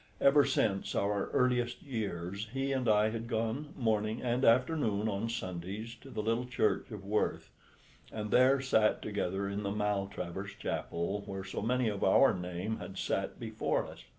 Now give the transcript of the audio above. Ever since our earliest years he and I had gone morning and afternoon on Sundays to the little church of Worth, and there sat together in the Maltravers chapel where so many of our name had sat before us.